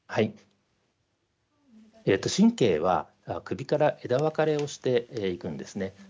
神経は首から枝分かれをしていくんですね。